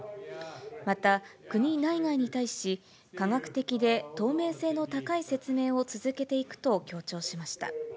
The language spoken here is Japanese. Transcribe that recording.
また国内外に対し、科学的で透明性の高い説明を続けていくと強調しました。